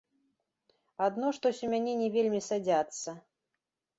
Адно штось у мяне не вельмі садзяцца.